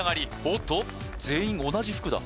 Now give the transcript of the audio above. おっと全員同じ服だ